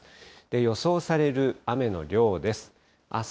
予想される雨の量です。